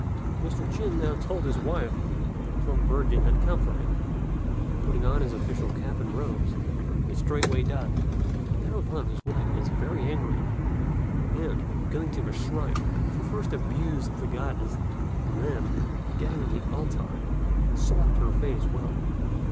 Mr. Chin now told his wife that the Plum Virgin had come for him; and, putting on his official cap and robes, he straightway died. Thereupon his wife was very angry; and, going to the shrine, she first abused the Goddess, and then, getting on the altar, slapped her face well.